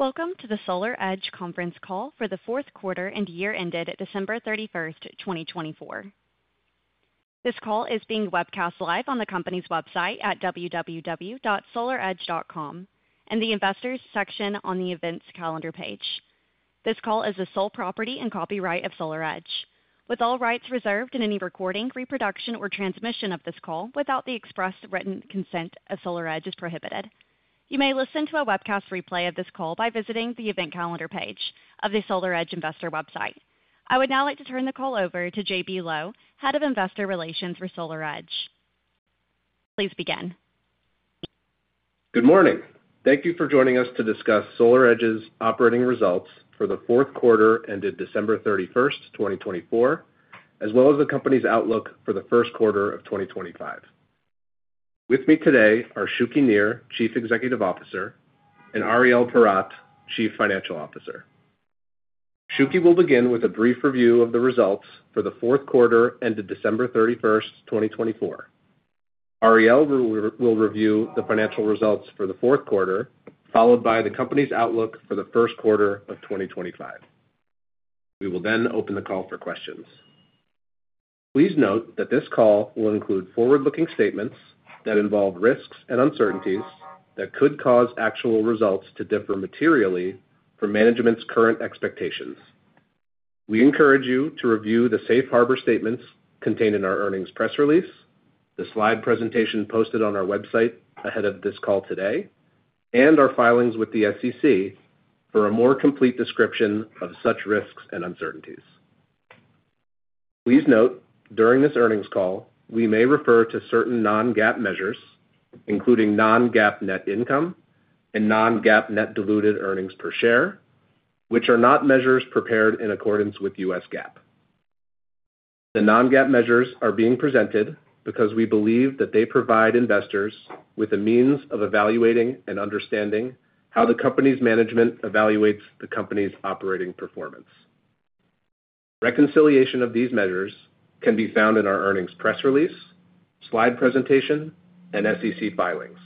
Welcome to the SolarEdge Conference call for the Q4 and year ended December 31st, 2024. This call is being webcast live on the company's website at www.solaredge.com and the Investors' section on the events calendar page. This call is the sole property and copyright of SolarEdge. With all rights reserved, any recording, reproduction, or transmission of this call without the express written consent of SolarEdge is prohibited. You may listen to a webcast replay of this call by visiting the event calendar page of the SolarEdge Investor website. I would now like to turn the call over to J.B. Lowe, Head of Investor Relations for SolarEdge. Please begin. Good morning. Thank you for joining us to discuss SolarEdge's Operating Results for the Q4 ended December 31st, 2024, as well as the company's outlook for the Q1 of 2025. With me today are Shuki Nir, Chief Executive Officer, and Ariel Porat, Chief Financial Officer. Shuki will begin with a brief review of the results for the Q4 ended December 31st, 2024. Ariel will review the financial results for the Q4, followed by the company's outlook for the Q1 of 2025. We will then open the call for questions. Please note that this call will include forward-looking statements that involve risks and uncertainties that could cause actual results to differ materially from management's current expectations. We encourage you to review the safe harbor statements contained in our earnings press release, the slide presentation posted on our website ahead of this call today, and our filings with the SEC for a more complete description of such risks and uncertainties. Please note during this earnings call, we may refer to certain non-GAAP measures, including non-GAAP net income and non-GAAP net diluted earnings per share, which are not measures prepared in accordance with U.S. GAAP. The non-GAAP measures are being presented because we believe that they provide investors with a means of evaluating and understanding how the company's management evaluates the company's operating performance. Reconciliation of these measures can be found in our earnings press release, slide presentation, and SEC filings.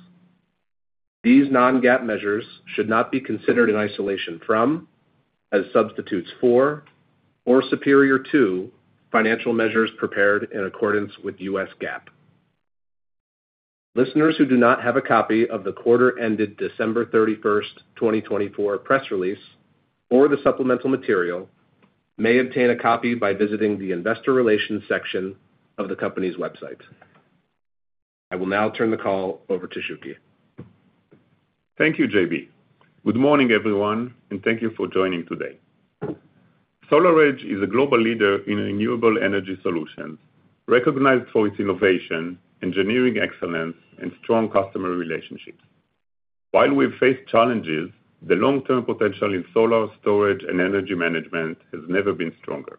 These non-GAAP measures should not be considered in isolation from, as substitutes for, or superior to financial measures prepared in accordance with U.S. GAAP. Listeners who do not have a copy of the quarter-ended December 31st, 2024 press release or the supplemental material may obtain a copy by visiting the Investor Relations section of the company's website. I will now turn the call over to Shuki. Thank you, J.B. Good morning, everyone, and thank you for joining today. SolarEdge is a global leader in renewable energy solutions, recognized for its innovation, engineering excellence, and strong customer relationships. While we've faced challenges, the long-term potential in solar storage and energy management has never been stronger.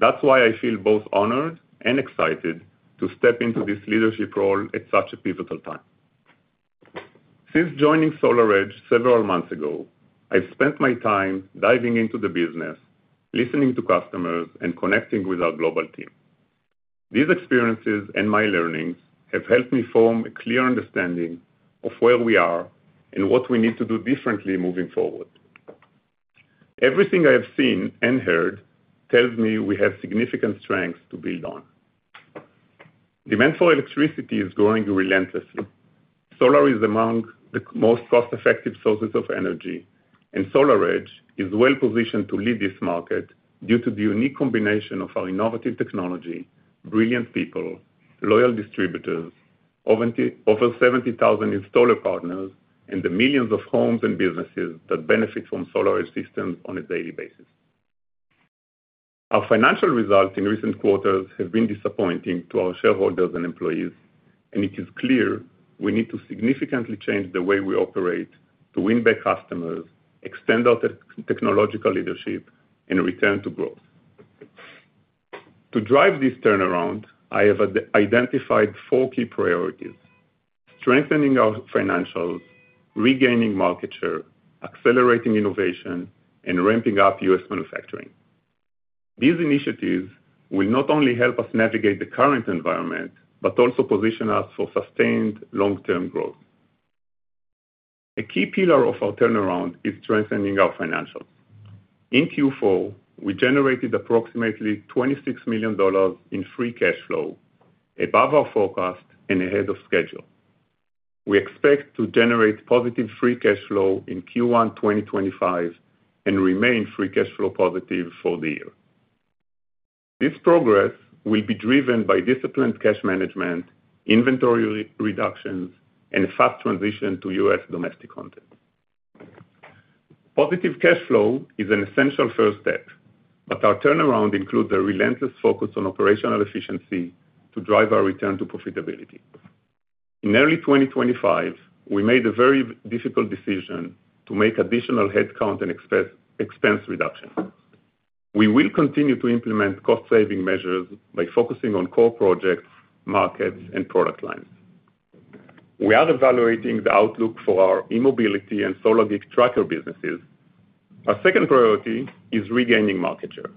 That's why I feel both honored and excited to step into this leadership role at such a pivotal time. Since joining SolarEdge several months ago, I've spent my time diving into the business, listening to customers, and connecting with our global team. These experiences and my learnings have helped me form a clear understanding of where we are and what we need to do differently moving forward. Everything I have seen and heard tells me we have significant strengths to build on. Demand for electricity is growing relentlessly. Solar is among the most cost-effective sources of energy, and SolarEdge is well-positioned to lead this market due to the unique combination of our innovative technology, brilliant people, loyal distributors, over 70,000 installer partners, and the millions of homes and businesses that benefit from SolarEdge systems on a daily basis. Our financial results in recent quarters have been disappointing to our shareholders and employees, and it is clear we need to significantly change the way we operate to win back customers, extend our technological leadership, and return to growth. To drive this turnaround, I have identified four key priorities: strengthening our financials, regaining market share, accelerating innovation, and ramping up U.S. manufacturing. These initiatives will not only help us navigate the current environment but also position us for sustained long-term growth. A key pillar of our turnaround is strengthening our financials. In Q4, we generated approximately $26 million in free cash flow, above our forecast and ahead of schedule. We expect to generate positive free cash flow in Q1 2025 and remain free cash flow positive for the year. This progress will be driven by disciplined cash management, inventory reductions, and a fast transition to U.S. domestic content. Positive cash flow is an essential first step, but our turnaround includes a relentless focus on operational efficiency to drive our return to profitability. In early 2025, we made a very difficult decision to make additional headcount and expense reductions. We will continue to implement cost-saving measures by focusing on core projects, markets, and product lines. We are evaluating the outlook for our e-Mobility and SolarGik tracker businesses. Our second priority is regaining market share.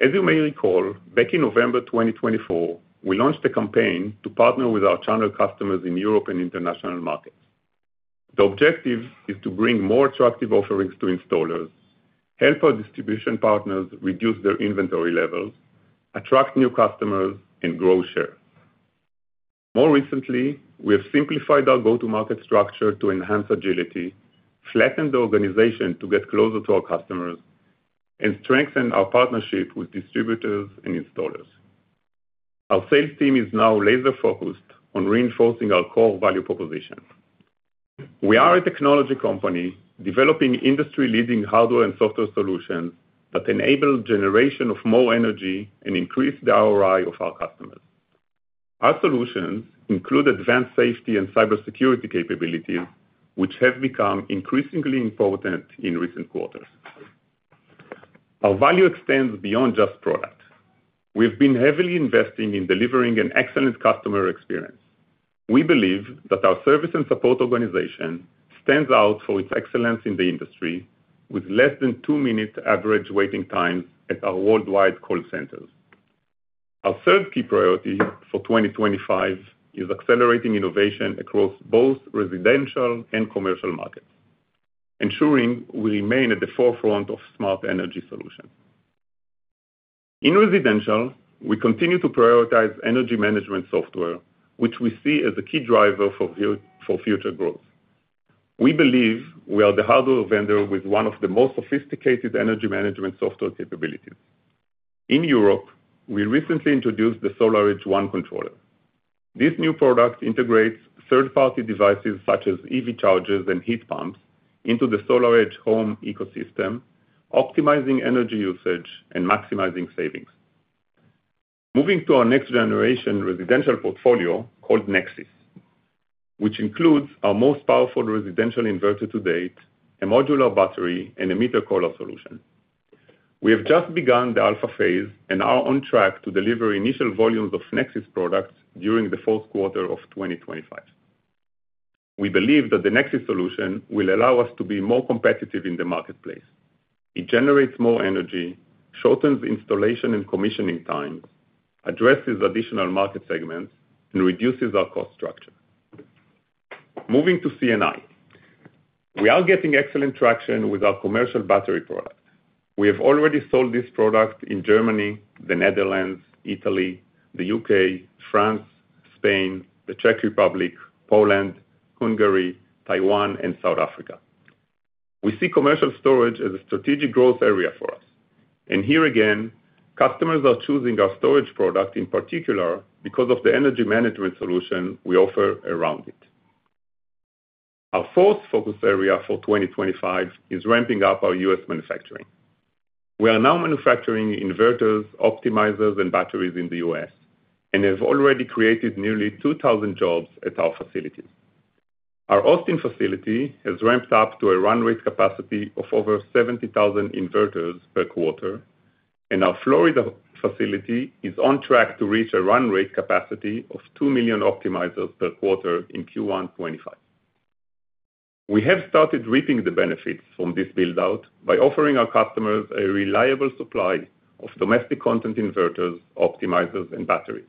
As you may recall, back in November 2024, we launched a campaign to partner with our channel customers in Europe and international markets. The objective is to bring more attractive offerings to installers, help our distribution partners reduce their inventory levels, attract new customers, and grow share. More recently, we have simplified our go-to-market structure to enhance agility, flattened the organization to get closer to our customers, and strengthened our partnership with distributors and installers. Our sales team is now laser-focused on reinforcing our core value proposition. We are a technology company developing industry-leading hardware and software solutions that enable the generation of more energy and increase the ROI of our customers. Our solutions include advanced safety and cybersecurity capabilities, which have become increasingly important in recent quarters. Our value extends beyond just product. We have been heavily investing in delivering an excellent customer experience. We believe that our service and support organization stands out for its excellence in the industry, with less than two-minute average waiting times at our worldwide call centers. Our third key priority for 2025 is accelerating innovation across both residential and commercial markets, ensuring we remain at the forefront of smart energy solutions. In residential, we continue to prioritize energy management software, which we see as a key driver for future growth. We believe we are the hardware vendor with one of the most sophisticated energy management software capabilities. In Europe, we recently introduced the SolarEdge ONE controller. This new product integrates third-party devices such as EV chargers and heat pumps into the SolarEdge Home ecosystem, optimizing energy usage and maximizing savings. Moving to our next-generation residential portfolio called Nexus, which includes our most powerful residential inverter to date, a modular battery, and a Meter Collar Solution. We have just begun the alpha phase and are on track to deliver initial volumes of Nexus products during the Q4 of 2025. We believe that the Nexus solution will allow us to be more competitive in the marketplace. It generates more energy, shortens installation and commissioning times, addresses additional market segments, and reduces our cost structure. Moving to C&I, we are getting excellent traction with our commercial battery product. We have already sold this product in Germany, the Netherlands, Italy, the U.K., France, Spain, the Czech Republic, Poland, Hungary, Taiwan, and South Africa. We see commercial storage as a strategic growth area for us. And here again, customers are choosing our storage product in particular because of the energy management solution we offer around it. Our fourth focus area for 2025 is ramping up our U.S. manufacturing. We are now manufacturing inverters, optimizers, and batteries in the U.S., and have already created nearly 2,000 jobs at our facilities. Our Austin facility has ramped up to a run-rate capacity of over 70,000 inverters per quarter, and our Florida facility is on track to reach a run-rate capacity of 2 million optimizers per quarter in Q1 2025. We have started reaping the benefits from this build-out by offering our customers a reliable supply of domestic content inverters, optimizers, and batteries.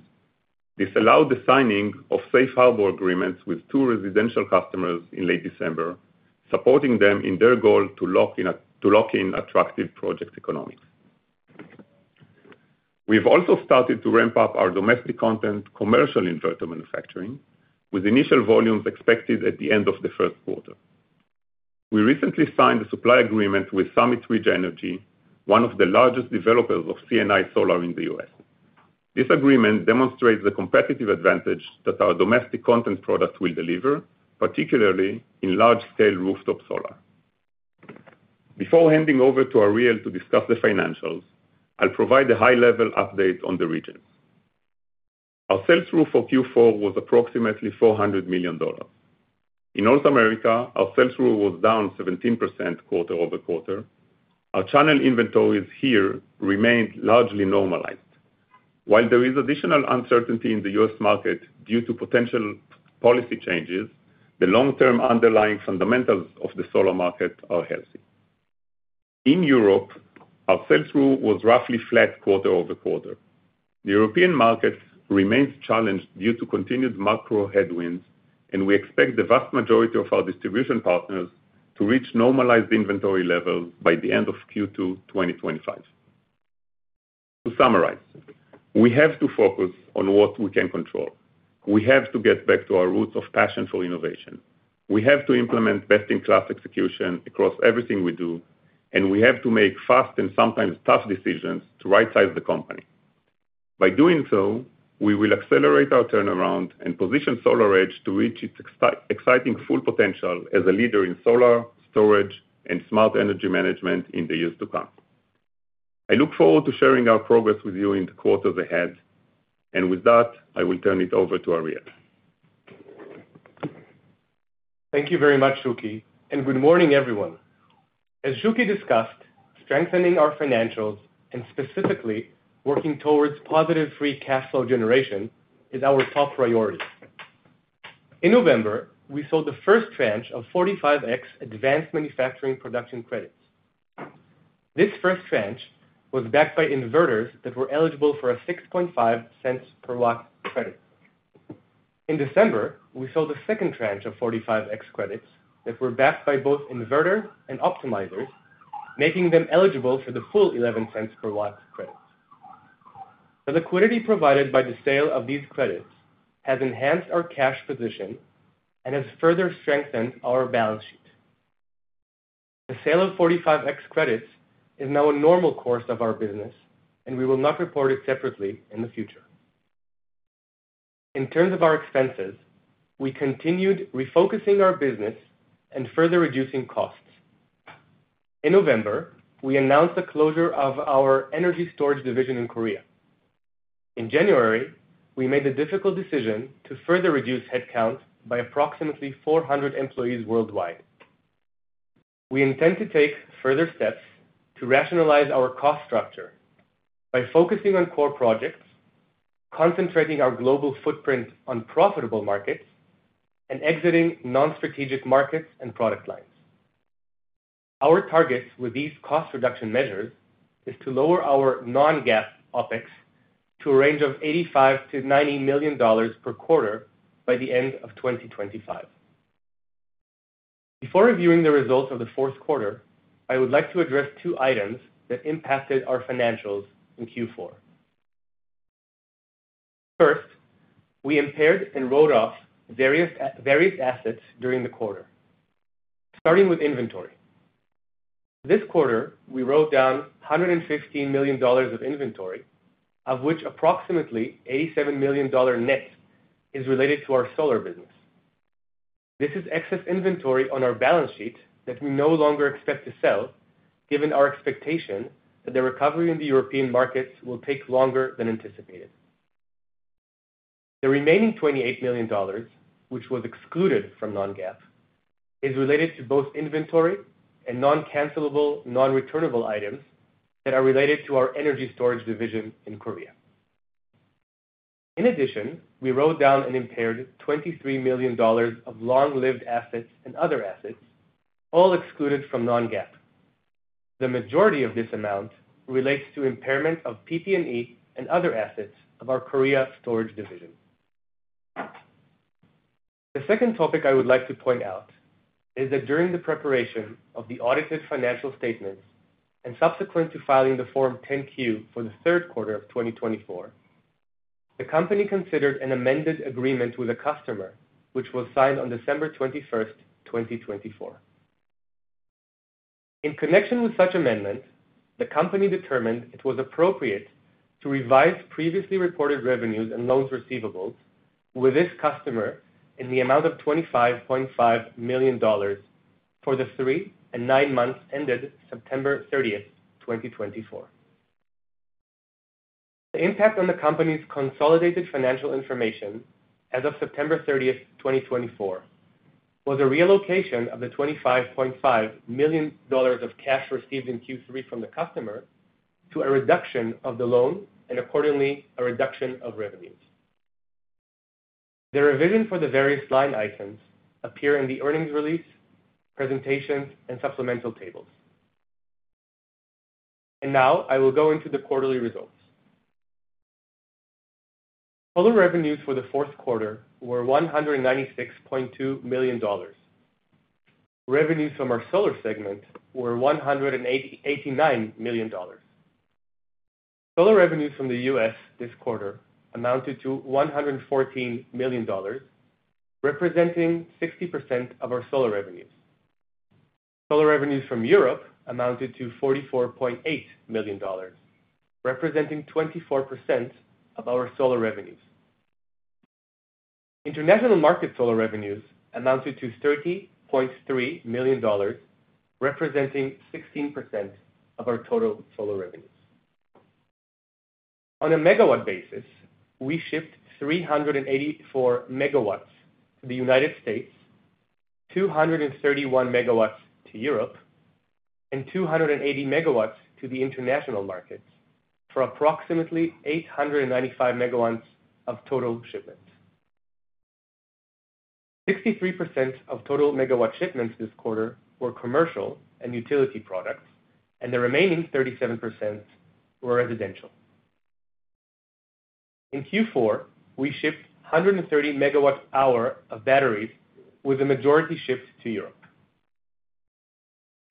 This allowed the signing of safe harbor agreements with two residential customers in late December, supporting them in their goal to lock in attractive project economics. We have also started to ramp up our domestic content commercial inverter manufacturing, with initial volumes expected at the end of the Q1. We recently signed a supply agreement with Summit Ridge Energy, one of the largest developers of C&I solar in the U.S. This agreement demonstrates the competitive advantage that our domestic content product will deliver, particularly in large-scale rooftop solar. Before handing over to Ariel to discuss the financials, I'll provide a high-level update on the regions. Our sell-through for Q4 was approximately $400 million. In North America, our sell-through was down 17% quarter-over-quarter. Our channel inventories here remained largely normalized. While there is additional uncertainty in the U.S. market due to potential policy changes, the long-term underlying fundamentals of the solar market are healthy. In Europe, our sell-through was roughly flat quarter-over-quarter. The European market remains challenged due to continued macro headwinds, and we expect the vast majority of our distribution partners to reach normalized inventory levels by the end of Q2 2025. To summarize, we have to focus on what we can control. We have to get back to our roots of passion for innovation. We have to implement best-in-class execution across everything we do, and we have to make fast and sometimes tough decisions to right-size the company. By doing so, we will accelerate our turnaround and position SolarEdge to reach its exciting full potential as a leader in solar storage and smart energy management in the years to come. I look forward to sharing our progress with you in the quarters ahead, and with that, I will turn it over to Ariel. Thank you very much, Shuki, and good morning, everyone. As Shuki discussed, strengthening our financials and specifically working towards positive free cash flow generation is our top priority. In November, we saw the first tranche of 45X advanced manufacturing production credits. This first tranche was backed by inverters that were eligible for a $0.065 per watt credit. In December, we saw the second tranche of 45X credits that were backed by both inverters and optimizers, making them eligible for the full $0.11 per watt credit. The liquidity provided by the sale of these credits has enhanced our cash position and has further strengthened our balance sheet. The sale of 45X credits is now a normal course of our business, and we will not report it separately in the future. In terms of our expenses, we continued refocusing our business and further reducing costs. In November, we announced the closure of our energy storage division in South Korea. In January, we made the difficult decision to further reduce headcount by approximately 400 employees worldwide. We intend to take further steps to rationalize our cost structure by focusing on core projects, concentrating our global footprint on profitable markets, and exiting non-strategic markets and product lines. Our target with these cost reduction measures is to lower our non-GAAP OpEx to a range of $85-$90 million per quarter by the end of 2025. Before reviewing the results of the Q4, I would like to address two items that impacted our financials in Q4. First, we impaired and wrote off various assets during the quarter, starting with inventory. This quarter, we wrote down $115 million of inventory, of which approximately $87 million net is related to our solar business. This is excess inventory on our balance sheet that we no longer expect to sell, given our expectation that the recovery in the European markets will take longer than anticipated. The remaining $28 million, which was excluded from non-GAAP, is related to both inventory and non-cancelable, non-returnable items that are related to our energy storage division in Korea. In addition, we wrote down and impaired $23 million of long-lived assets and other assets, all excluded from non-GAAP. The majority of this amount relates to impairment of PP&E and other assets of our Korea storage division. The second topic I would like to point out is that during the preparation of the audited financial statements and subsequent to filing the Form 10-Q for the Q3 of 2024, the company considered an amended agreement with a customer, which was signed on December 21, 2024. In connection with such amendments, the company determined it was appropriate to revise previously reported revenues and loans receivables with this customer in the amount of $25.5 million for the three and nine months ended September 30, 2024. The impact on the company's consolidated financial information as of September 30, 2024, was a relocation of the $25.5 million of cash received in Q3 from the customer to a reduction of the loan and, accordingly, a reduction of revenues. The revision for the various line items appears in the earnings release, presentations, and supplemental tables. And now I will go into the quarterly results. Total revenues for the Q4 were $196.2 million. Revenues from our solar segment were $189 million. Solar revenues from the U.S. this quarter amounted to $114 million, representing 60% of our solar revenues. Solar revenues from Europe amounted to $44.8 million, representing 24% of our solar revenues. International market solar revenues amounted to $30.3 million, representing 16% of our total solar revenues. On a megawatt basis, we shipped 384 megawatts to the United States, 231 megawatts to Europe, and 280 megawatts to the international markets for approximately 895 megawatts of total shipments. 63% of total megawatt shipments this quarter were commercial and utility products, and the remaining 37% were residential. In Q4, we shipped 130 MWh of batteries, with the majority shipped to Europe.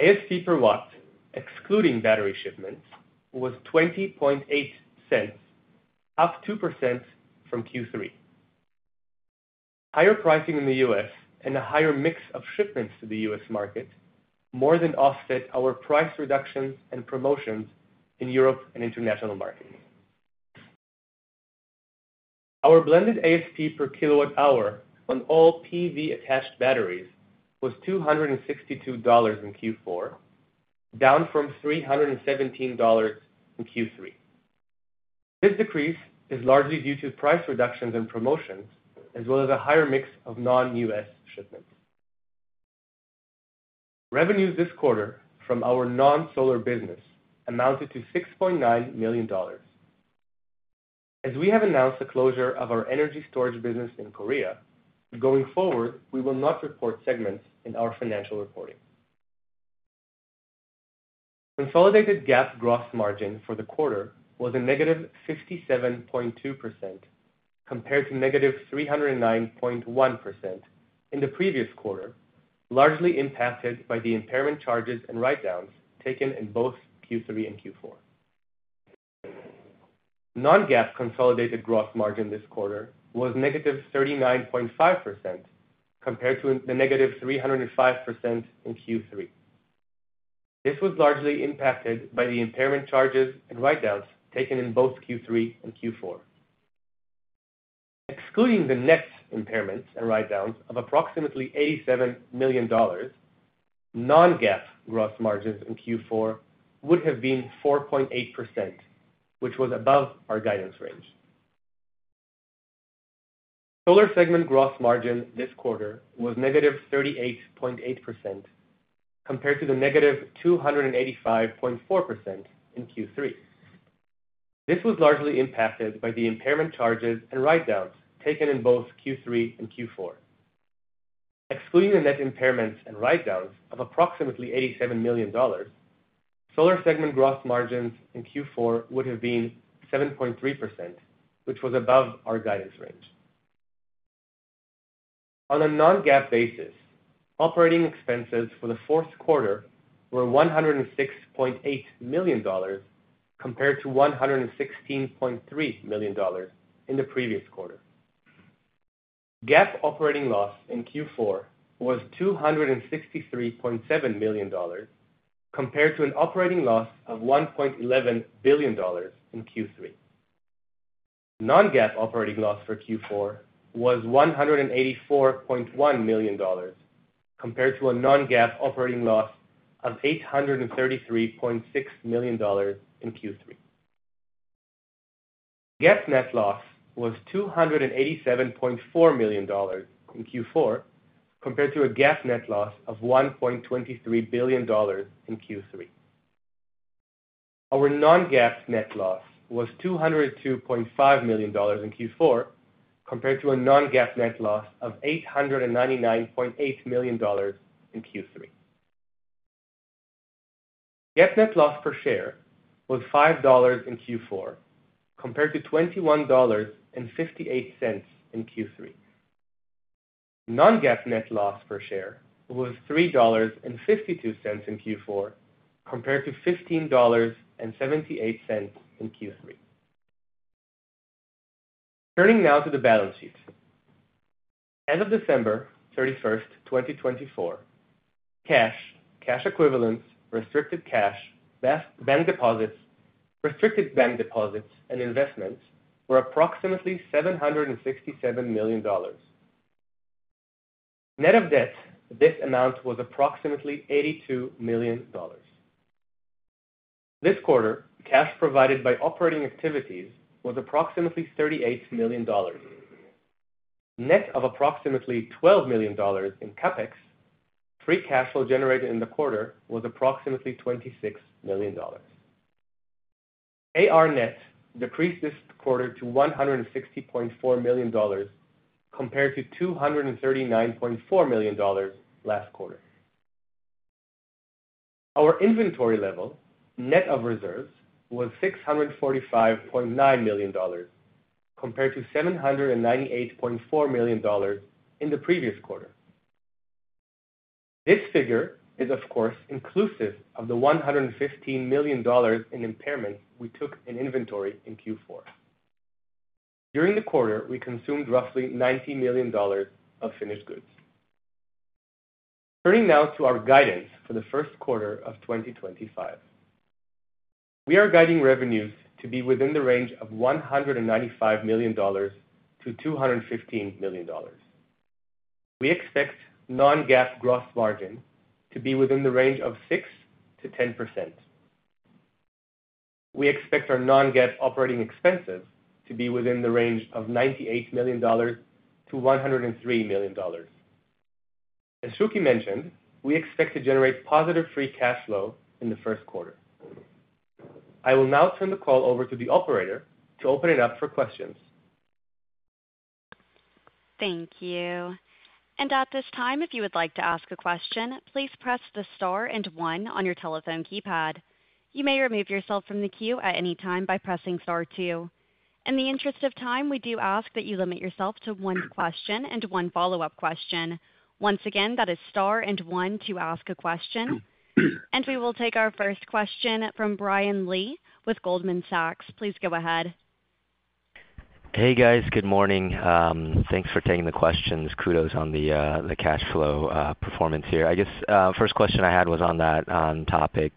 ASP per watt, excluding battery shipments, was $0.208, up 2% from Q3. Higher pricing in the U.S. and a higher mix of shipments to the U.S. market more than offset our price reductions and promotions in Europe and international markets. Our blended ASP per kWh on all PV-attached batteries was $262 in Q4, down from $317 in Q3. This decrease is largely due to price reductions and promotions, as well as a higher mix of non-U.S. shipments. Revenues this quarter from our non-solar business amounted to $6.9 million. As we have announced the closure of our energy storage business in Korea, going forward, we will not report segments in our financial reporting. Consolidated GAAP gross margin for the quarter was a negative 57.2% compared to negative 309.1% in the previous quarter, largely impacted by the impairment charges and write-downs taken in both Q3 and Q4. Non-GAAP consolidated gross margin this quarter was negative 39.5% compared to the negative 305% in Q3. This was largely impacted by the impairment charges and write-downs taken in both Q3 and Q4. Excluding the net impairments and write-downs of approximately $87 million, non-GAAP gross margins in Q4 would have been 4.8%, which was above our guidance range. Solar segment gross margin this quarter was negative 38.8% compared to the negative 285.4% in Q3. This was largely impacted by the impairment charges and write-downs taken in both Q3 and Q4. Excluding the net impairments and write-downs of approximately $87 million, solar segment gross margins in Q4 would have been 7.3%, which was above our guidance range. On a non-GAAP basis, operating expenses for the Q4 were $106.8 million compared to $116.3 million in the previous quarter. GAAP operating loss in Q4 was $263.7 million compared to an operating loss of $1.11 billion in Q3. Non-GAAP operating loss for Q4 was $184.1 million compared to a non-GAAP operating loss of $833.6 million in Q3. GAAP net loss was $287.4 million in Q4 compared to a GAAP net loss of $1.23 billion in Q3. Our non-GAAP net loss was $202.5 million in Q4 compared to a non-GAAP net loss of $899.8 million in Q3. GAAP net loss per share was $5 in Q4 compared to $21.58 in Q3. Non-GAAP net loss per share was $3.52 in Q4 compared to $15.78 in Q3. Turning now to the balance sheet. As of December 31, 2024, cash, cash equivalents, restricted cash, bank deposits, restricted bank deposits, and investments were approximately $767 million. Net of debt, this amount was approximately $82 million. This quarter, cash provided by operating activities was approximately $38 million. Net of approximately $12 million in CapEx, free cash flow generated in the quarter was approximately $26 million. AR net decreased this quarter to $160.4 million compared to $239.4 million last quarter. Our inventory level, net of reserves, was $645.9 million compared to $798.4 million in the previous quarter. This figure is, of course, inclusive of the $115 million in impairments we took in inventory in Q4. During the quarter, we consumed roughly $90 million of finished goods. Turning now to our guidance for the Q1 of 2025. We are guiding revenues to be within the range of $195 million-$215 million. We expect non-GAAP gross margin to be within the range of 6%-10%. We expect our non-GAAP operating expenses to be within the range of $98 million-$103 million. As Shuki mentioned, we expect to generate positive free cash flow in the Q1. I will now turn the call over to the operator to open it up for questions. Thank you. And at this time, if you would like to ask a question, please press the star and one on your telephone keypad. You may remove yourself from the queue at any time by pressing star two. In the interest of time, we do ask that you limit yourself to one question and one follow-up question. Once again, that is star and one to ask a question. And we will take our first question from Brian Lee with Goldman Sachs. Please go ahead. Hey, guys. Good morning. Thanks for taking the questions. Kudos on the cash flow performance here. I guess the first question I had was on that topic.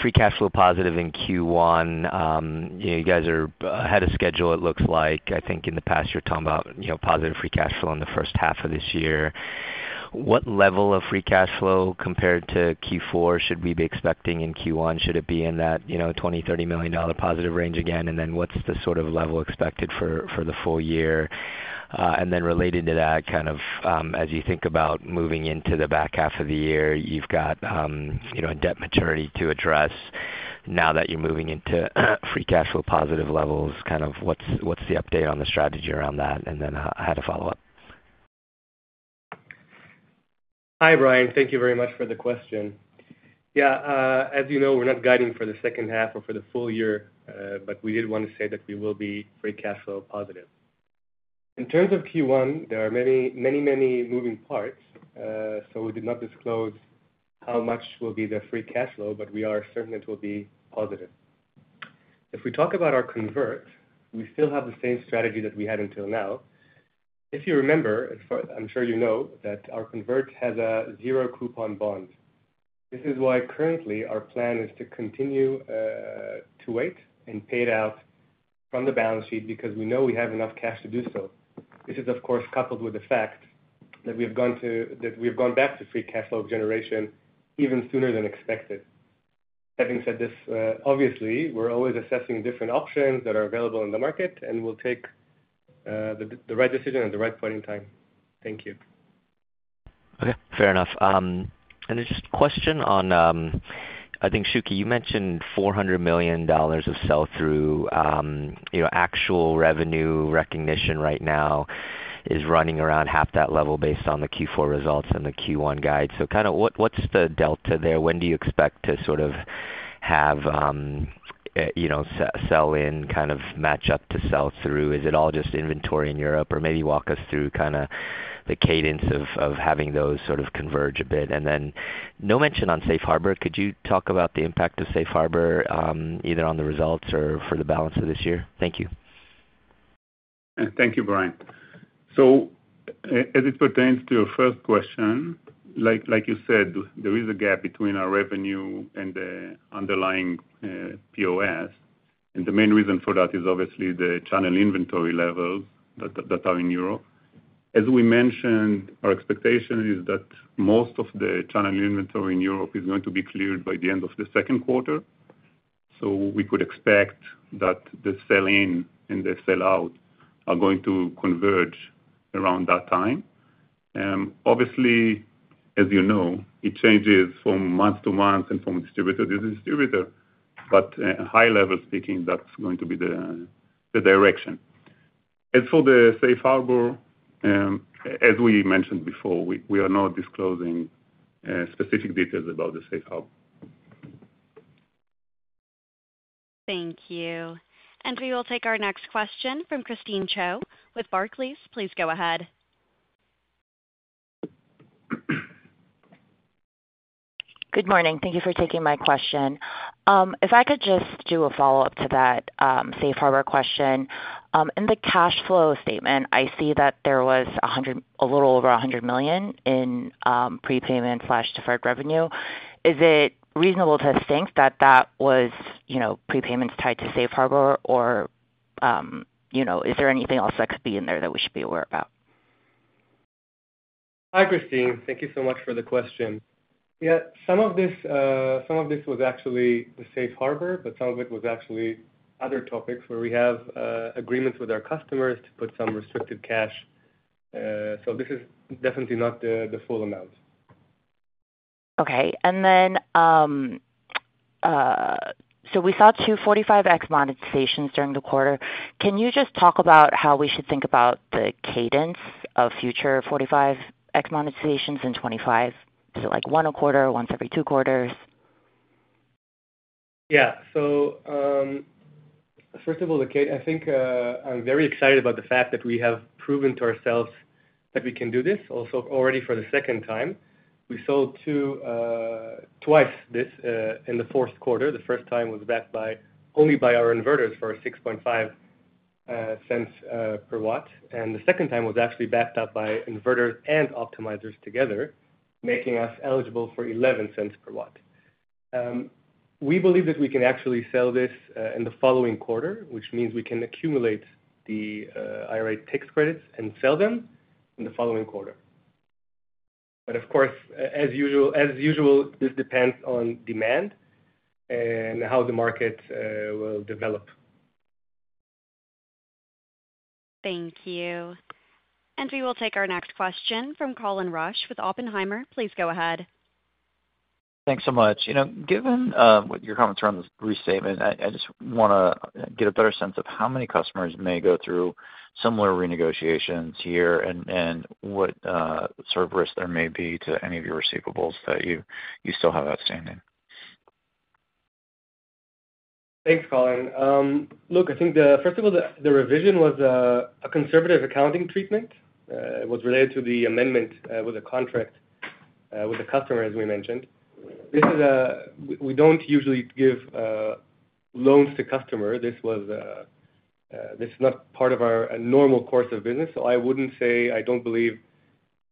Free cash flow positive in Q1. You guys are ahead of schedule, it looks like. I think in the past, you're talking about positive free cash flow in the first half of this year. What level of free cash flow compared to Q4 should we be expecting in Q1? Should it be in that $20 million-$30 million positive range again? And then what's the sort of level expected for the full year? And then related to that, kind of as you think about moving into the back half of the year, you've got debt maturity to address now that you're moving into free cash flow positive levels. Kind of what's the update on the strategy around that? And then I had a follow-up. Hi, Brian. Thank you very much for the question. Yeah. As you know, we're not guiding for the second half or for the full year, but we did want to say that we will be free cash flow positive. In terms of Q1, there are many, many moving parts, so we did not disclose how much will be the free cash flow, but we are certain it will be positive. If we talk about our convert, we still have the same strategy that we had until now. If you remember, I'm sure you know that our convert has a zero-coupon bond. This is why currently our plan is to continue to wait and pay it out from the balance sheet because we know we have enough cash to do so. This is, of course, coupled with the fact that we have gone back to free cash flow generation even sooner than expected. Having said this, obviously, we're always assessing different options that are available in the market, and we'll take the right decision at the right point in time. Thank you. Okay. Fair enough. And just a question on, I think, Shuki, you mentioned $400 million of sell-through. Actual revenue recognition right now is running around half that level based on the Q4 results and the Q1 guide. So kind of what's the delta there? When do you expect to sort of have sell-in, kind of match-up to sell-through? Is it all just inventory in Europe? Or maybe walk us through kind of the cadence of having those sort of converge a bit. And then no mention on safe harbor. Could you talk about the impact of safe harbor either on the results or for the balance of this year? Thank you. Thank you, Brian. So as it pertains to your first question, like you said, there is a gap between our revenue and the underlying POS. And the main reason for that is obviously the channel inventory levels that are in Europe. As we mentioned, our expectation is that most of the channel inventory in Europe is going to be cleared by the end of the Q2. So we could expect that the sell-in and the sell-out are going to converge around that time. Obviously, as you know, it changes from month to month and from distributor to distributor, but high-level speaking, that's going to be the direction. As for the safe harbor, as we mentioned before, we are not disclosing specific details about the safe harbor. Thank you. And we will take our next question from Christine Cho with Barclays. Please go ahead. Good morning. Thank you for taking my question. If I could just do a follow-up to that safe harbor question. In the cash flow statement, I see that there was a little over $100 million in prepayment/deferred revenue. Is it reasonable to think that that was prepayments tied to safe harbor, or is there anything else that could be in there that we should be aware about? Hi, Christine. Thank you so much for the question. Yeah. Some of this was actually the safe harbor, but some of it was actually other topics where we have agreements with our customers to put some restricted cash. So this is definitely not the full amount. Okay. And then so we saw two 45X monetizations during the quarter. Can you just talk about how we should think about the cadence of future 45X monetizations in 2025? Is it like one a quarter, once every two quarters? Yeah. So first of all, I think I'm very excited about the fact that we have proven to ourselves that we can do this also already for the second time. We sold twice this in the Q4. The first time was backed only by our inverters for $0.065 per watt. And the second time was actually backed up by inverters and optimizers together, making us eligible for $0.11 per watt. We believe that we can actually sell this in the following quarter, which means we can accumulate the IRA tax credits and sell them in the following quarter. But of course, as usual, this depends on demand and how the market will develop. Thank you. And we will take our next question from Colin Rusch with Oppenheimer. Please go ahead. Thanks so much. Given what your comments are on the reserving, I just want to get a better sense of how many customers may go through similar renegotiations here and what sort of risk there may be to any of your receivables that you still have outstanding. Thanks, Colin. Look, I think, first of all, the revision was a conservative accounting treatment. It was related to the amendment with the contract with the customer, as we mentioned. We don't usually give loans to customers. This is not part of our normal course of business. So I wouldn't say I don't believe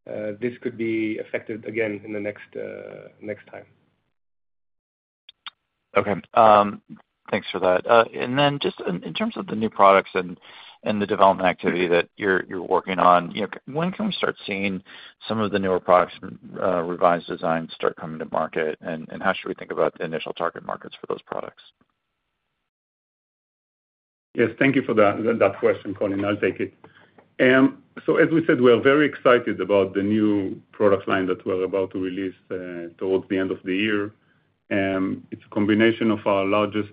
this could be affected again in the next time. Okay. Thanks for that. And then just in terms of the new products and the development activity that you're working on, when can we start seeing some of the newer products and revised designs start coming to market? And how should we think about the initial target markets for those products? Yes. Thank you for that question, Colin. I'll take it. So as we said, we are very excited about the new product line that we're about to release towards the end of the year. It's a combination of our largest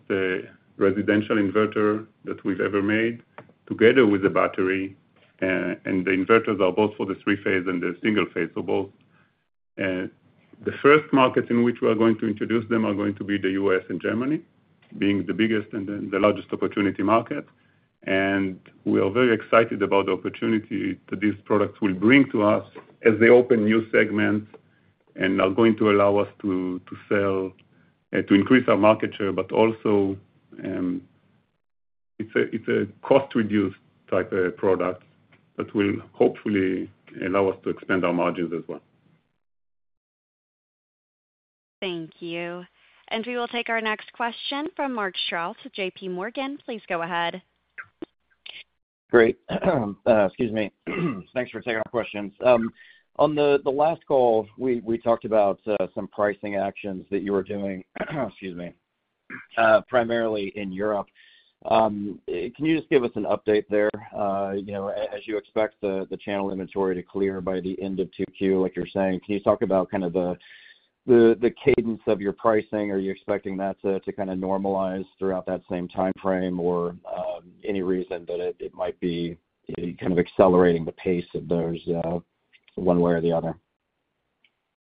residential inverter that we've ever made together with a battery. And the inverters are both for the three-phase and the single-phase, so both. The first markets in which we are going to introduce them are going to be the U.S. and Germany, being the biggest and the largest opportunity market. And we are very excited about the opportunity that these products will bring to us as they open new segments and are going to allow us to increase our market share, but also it's a cost-reduced type of product that will hopefully allow us to expand our margins as well. Thank you. And we will take our next question from Mark Strouse with J.P. Morgan. Please go ahead. Great. Excuse me. Thanks for taking our questions. On the last call, we talked about some pricing actions that you were doing, excuse me, primarily in Europe. Can you just give us an update there as you expect the channel inventory to clear by the end of 2Q, like you're saying, can you talk about kind of the cadence of your pricing? Are you expecting that to kind of normalize throughout that same timeframe or any reason that it might be kind of accelerating the pace of those one way or the other?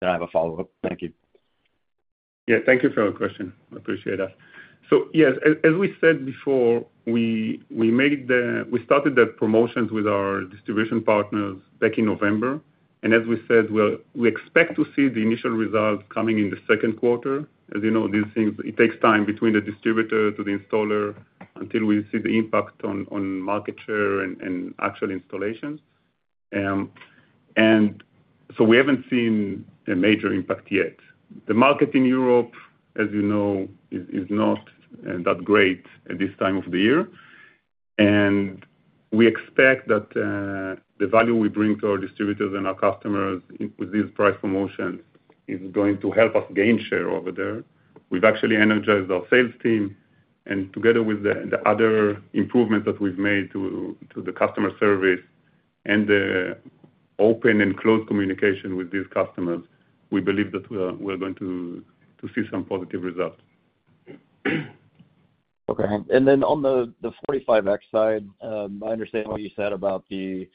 I have a follow-up. Thank you. Yeah. Thank you for the question. I appreciate that. Yes, as we said before, we started the promotions with our distribution partners back in November. And as we said, we expect to see the initial results coming in the Q2. As you know, these things, it takes time between the distributor to the installer until we see the impact on market share and actual installations. And so we haven't seen a major impact yet. The market in Europe, as you know, is not that great at this time of the year. And we expect that the value we bring to our distributors and our customers with these price promotions is going to help us gain share over there. We've actually energized our sales team. And together with the other improvements that we've made to the customer service and the open and closed communication with these customers, we believe that we're going to see some positive results. Okay. And then on the 45X side, I understand what you said about the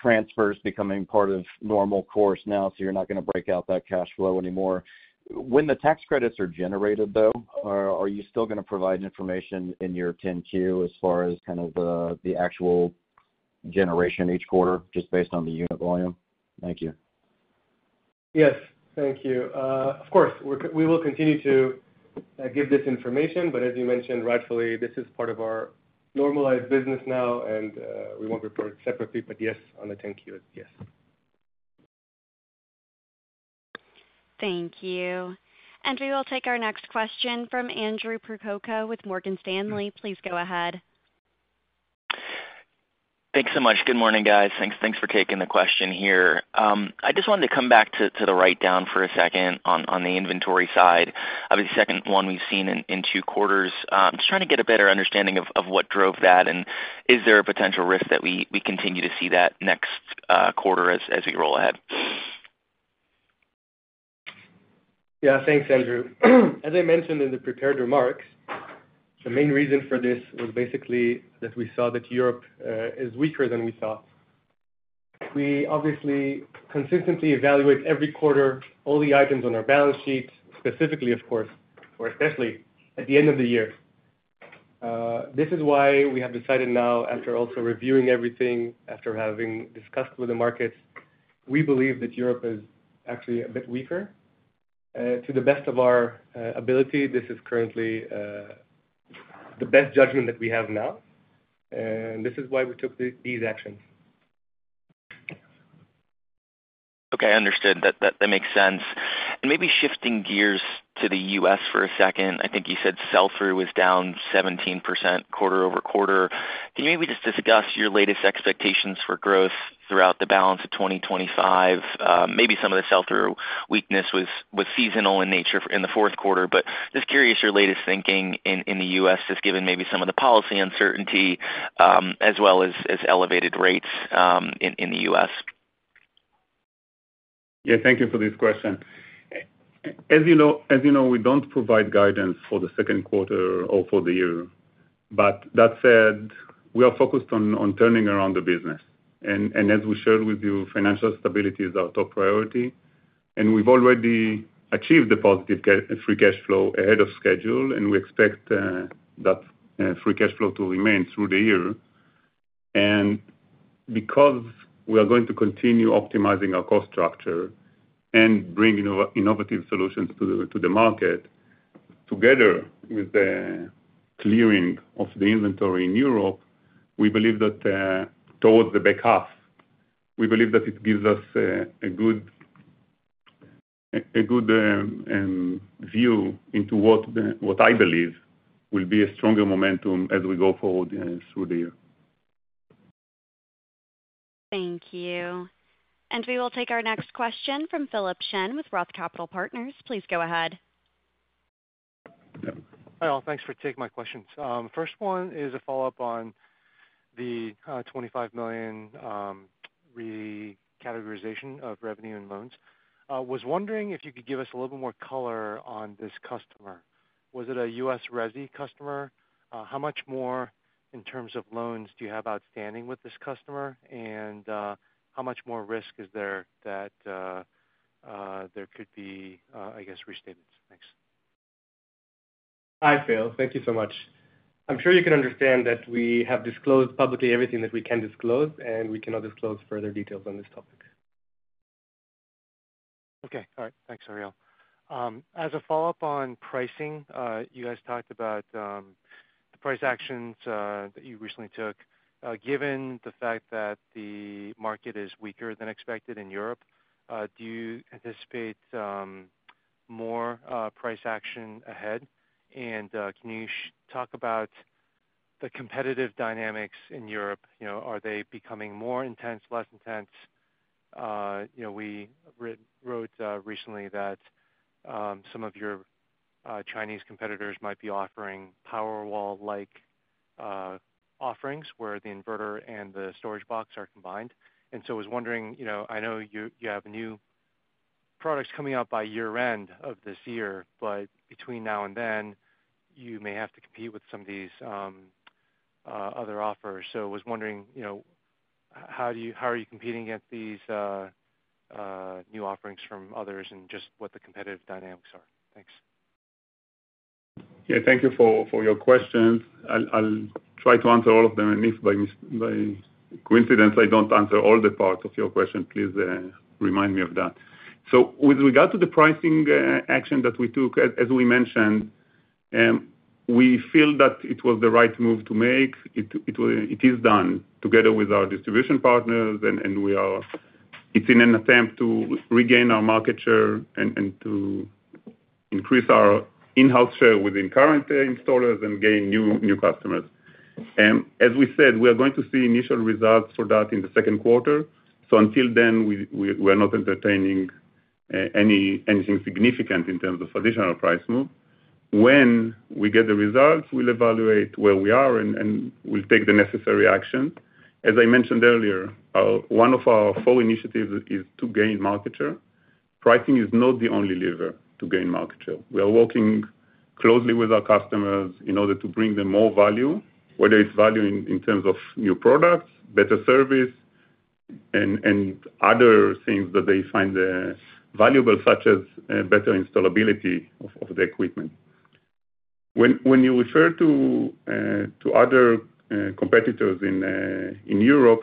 transfers becoming part of normal course now, so you're not going to break out that cash flow anymore. When the tax credits are generated, though, are you still going to provide information in your 10-Q as far as kind of the actual generation each quarter just based on the unit volume? Thank you. Yes. Thank you. Of course, we will continue to give this information, but as you mentioned, rightfully, this is part of our normalized business now, and we won't report it separately. But yes, on the 10-Q, yes. Thank you. And we will take our next question from Andrew Percoco with Morgan Stanley. Please go ahead. Thanks so much. Good morning, guys. Thanks for taking the question here. I just wanted to come back to the write-down for a second on the inventory side. Obviously, the second one we've seen in two quarters. I'm just trying to get a better understanding of what drove that, and is there a potential risk that we continue to see that next quarter as we roll ahead? Yeah. Thanks, Andrew. As I mentioned in the prepared remarks, the main reason for this was basically that we saw that Europe is weaker than we thought. We obviously consistently evaluate every quarter all the items on our balance sheet, specifically, of course, or especially at the end of the year. This is why we have decided now, after also reviewing everything, after having discussed with the markets, we believe that Europe is actually a bit weaker. To the best of our ability, this is currently the best judgment that we have now. And this is why we took these actions. Okay. Understood. That makes sense. And maybe shifting gears to the U.S. for a second. I think you said sell-through was down 17% quarter-over-quarter. Can you maybe just discuss your latest expectations for growth throughout the balance of 2025? Maybe some of the sell-through weakness was seasonal in nature in the Q4, but just curious your latest thinking in the U.S. just given maybe some of the policy uncertainty as well as elevated rates in the U.S. Yeah. Thank you for this question. As you know, we don't provide guidance for the Q2 or for the year. But that said, we are focused on turning around the business. And as we shared with you, financial stability is our top priority. And we've already achieved the positive free cash flow ahead of schedule, and we expect that free cash flow to remain through the year. And because we are going to continue optimizing our cost structure and bringing innovative solutions to the market together with the clearing of the inventory in Europe, we believe that towards the back half, we believe that it gives us a good view into what I believe will be a stronger momentum as we go forward through the year. Thank you. And we will take our next question from Philip Shen with Roth Capital Partners. Please go ahead. Hi all. Thanks for taking my questions. First one is a follow-up on the $25 million recategorization of revenue and loans. I was wondering if you could give us a little bit more color on this customer. Was it a U.S. resi customer? How much more in terms of loans do you have outstanding with this customer? And how much more risk is there that there could be, I guess, restatements? Thanks. Hi, Phil. Thank you so much. I'm sure you can understand that we have disclosed publicly everything that we can disclose, and we cannot disclose further details on this topic. Okay. All right. Thanks, Ariel. As a follow-up on pricing, you guys talked about the price actions that you recently took. Given the fact that the market is weaker than expected in Europe, do you anticipate more price action ahead? And can you talk about the competitive dynamics in Europe? Are they becoming more intense, less intense? We wrote recently that some of your Chinese competitors might be offering Powerwall-like offerings where the inverter and the storage box are combined. And so I was wondering, I know you have new products coming out by year-end of this year, but between now and then, you may have to compete with some of these other offers. So I was wondering, how are you competing against these new offerings from others and just what the competitive dynamics are? Thanks. Yeah. Thank you for your questions. I'll try to answer all of them. And if by coincidence I don't answer all the parts of your question, please remind me of that. So with regard to the pricing action that we took, as we mentioned, we feel that it was the right move to make. It is done together with our distribution partners, and it's in an attempt to regain our market share and to increase our in-house share within current installers and gain new customers. And as we said, we are going to see initial results for that in the Q2. So until then, we are not entertaining anything significant in terms of additional price move. When we get the results, we'll evaluate where we are and we'll take the necessary actions. As I mentioned earlier, one of our four initiatives is to gain market share. Pricing is not the only lever to gain market share. We are working closely with our customers in order to bring them more value, whether it's value in terms of new products, better service, and other things that they find valuable, such as better installability of the equipment. When you refer to other competitors in Europe,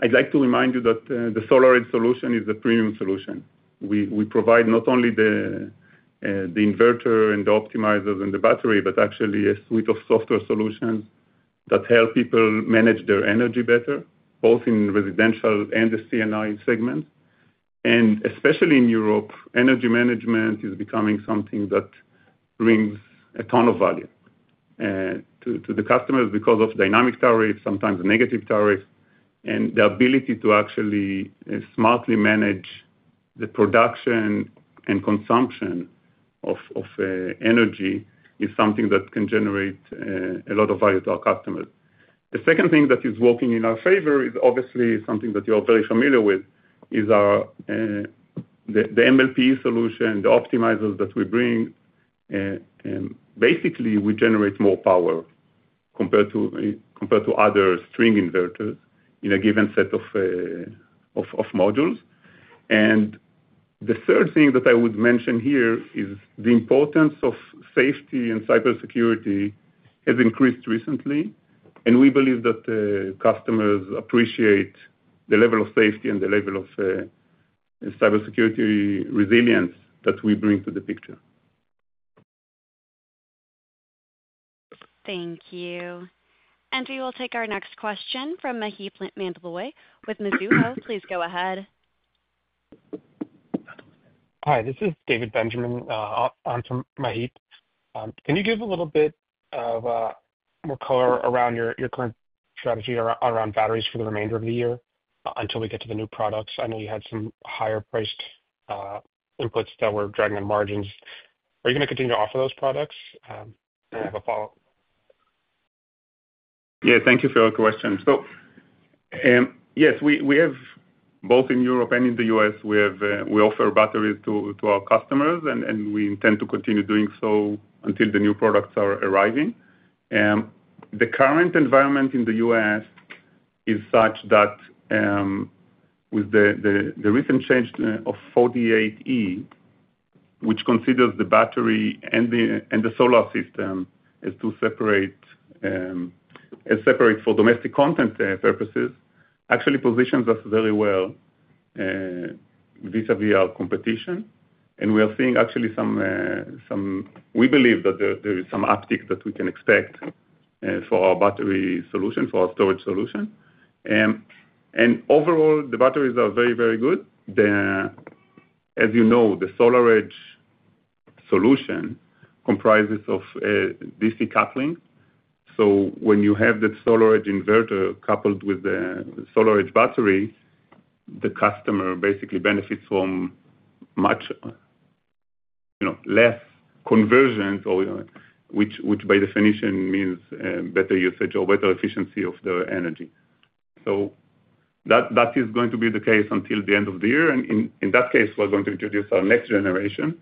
I'd like to remind you that the SolarEdge solution is a premium solution. We provide not only the inverter and the optimizers and the battery, but actually a suite of software solutions that help people manage their energy better, both in residential and the C&I segments. Especially in Europe, energy management is becoming something that brings a ton of value to the customers because of dynamic tariffs, sometimes negative tariffs. And the ability to actually smartly manage the production and consumption of energy is something that can generate a lot of value to our customers. The second thing that is working in our favor is obviously something that you're very familiar with, is the MLPE solution, the optimizers that we bring. Basically, we generate more power compared to other string inverters in a given set of modules. And the third thing that I would mention here is the importance of safety and cybersecurity has increased recently. And we believe that customers appreciate the level of safety and the level of cybersecurity resilience that we bring to the picture. Thank you. And we will take our next question from Maheep Mandloi with Mizuho. Please go ahead. Hi. This is David Benjamin on for Maheep. Can you give a little bit more color around your current strategy around batteries for the remainder of the year until we get to the new products? I know you had some higher-priced inputs that were dragging the margins. Are you going to continue to offer those products? I have a follow-up. Yeah. Thank you for your question. So yes, both in Europe and in the U.S., we offer batteries to our customers, and we intend to continue doing so until the new products are arriving. The current environment in the U.S. is such that with the recent change of 48E, which considers the battery and the solar system as separate for domestic content purposes, actually positions us very well vis-à-vis our competition. We are seeing actually some we believe that there is some uptick that we can expect for our battery solution, for our storage solution. Overall, the batteries are very, very good. As you know, the SolarEdge solution comprises of DC coupling. When you have the SolarEdge inverter coupled with the SolarEdge battery, the customer basically benefits from much less conversions, which by definition means better usage or better efficiency of their energy. That is going to be the case until the end of the year. In that case, we're going to introduce our next generation.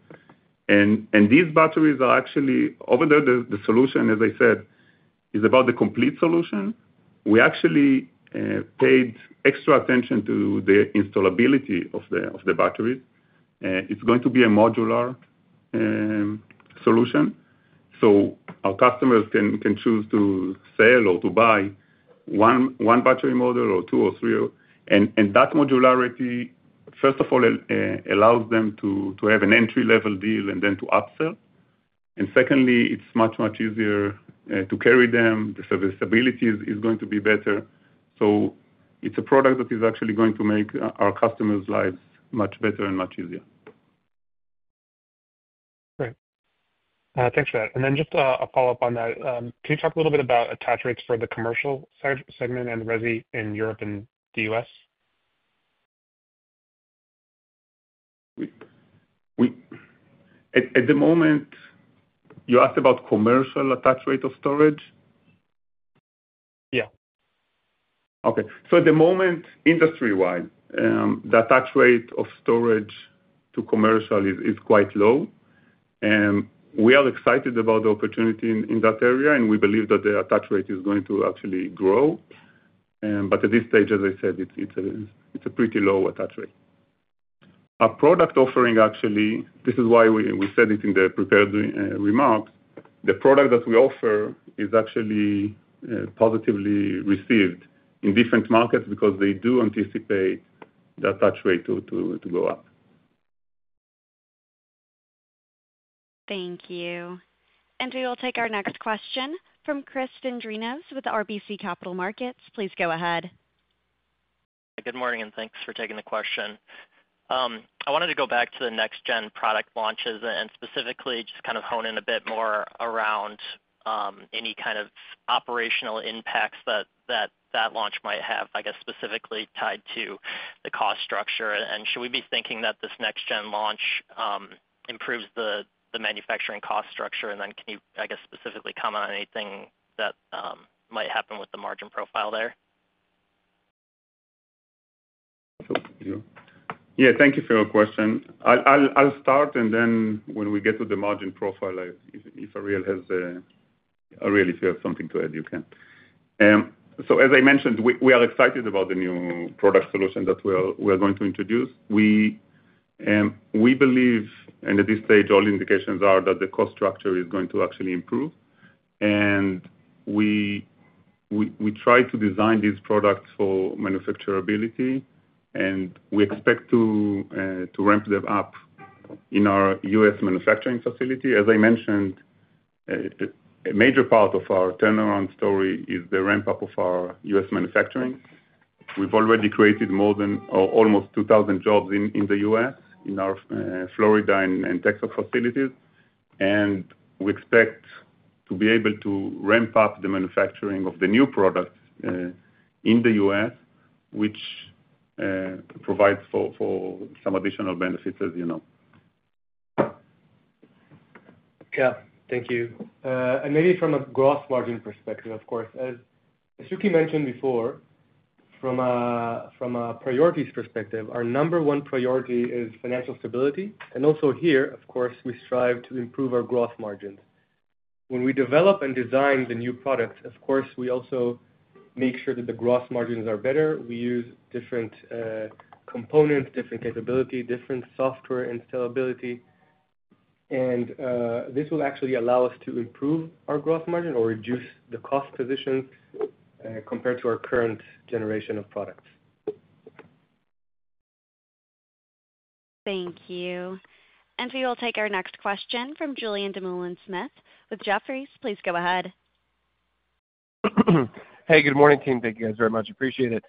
These batteries are actually over there. The solution, as I said, is about the complete solution. We actually paid extra attention to the installability of the batteries. It's going to be a modular solution. So our customers can choose to sell or to buy one battery model or two or three. And that modularity, first of all, allows them to have an entry-level deal and then to upsell. And secondly, it's much, much easier to carry them. The serviceability is going to be better. So it's a product that is actually going to make our customers' lives much better and much easier. Great. Thanks for that. And then just a follow-up on that. Can you talk a little bit about attach rates for the commercial segment and resi in Europe and the U.S.? At the moment, you asked about commercial attach rate of storage? Yeah. Okay. So at the moment, industry-wide, the attach rate of storage to commercial is quite low. We are excited about the opportunity in that area, and we believe that the attach rate is going to actually grow. But at this stage, as I said, it's a pretty low attach rate. Our product offering, actually, this is why we said it in the prepared remarks, the product that we offer is actually positively received in different markets because they do anticipate the attach rate to go up. Thank you. And we will take our next question from Chris Dendrinos with RBC Capital Markets. Please go ahead. Hi. Good morning, and thanks for taking the question. I wanted to go back to the next-gen product launches and specifically just kind of hone in a bit more around any kind of operational impacts that that launch might have, I guess, specifically tied to the cost structure. And should we be thinking that this next-gen launch improves the manufacturing cost structure? And then can you, I guess, specifically comment on anything that might happen with the margin profile there? Yeah. Thank you for your question. I'll start, and then when we get to the margin profile, if Ariel has really something to add, you can. So as I mentioned, we are excited about the new product solution that we are going to introduce. We believe, and at this stage, all indications are that the cost structure is going to actually improve, and we try to design these products for manufacturability, and we expect to ramp them up in our U.S. manufacturing facility. As I mentioned, a major part of our turnaround story is the ramp-up of our U.S. manufacturing. We've already created more than almost 2,000 jobs in the U.S. in our Florida and Texas facilities, and we expect to be able to ramp up the manufacturing of the new products in the U.S., which provides for some additional benefits, as you know. Yeah. Thank you. Maybe from a gross margin perspective, of course. As Shuki mentioned before, from a priorities perspective, our number one priority is financial stability. Also here, of course, we strive to improve our gross margins. When we develop and design the new products, of course, we also make sure that the gross margins are better. We use different components, different capabilities, different software installability. This will actually allow us to improve our gross margin or reduce the cost positions compared to our current generation of products. Thank you. We will take our next question from Julien Dumoulin-Smith with Jefferies. Please go ahead. Hey, good morning, team. Thank you guys very much. Appreciate it.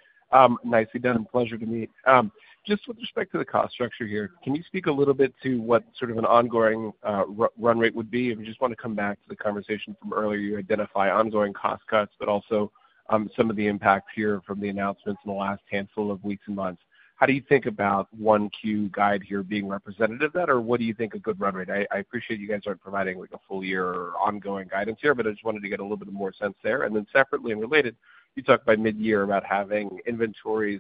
Nicely done. Pleasure to meet. Just with respect to the cost structure here, can you speak a little bit to what sort of an ongoing run rate would be? And we just want to come back to the conversation from earlier. You identify ongoing cost cuts, but also some of the impacts here from the announcements in the last handful of weeks and months. How do you think about 1Q guide here being representative of that, or what do you think a good run rate? I appreciate you guys aren't providing a full year or ongoing guidance here, but I just wanted to get a little bit more sense there. And then separately and related, you talked by mid-year about having inventories